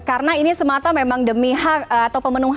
karena ini semata memang demi hak atau pemenuhan hak pendidikan di rumah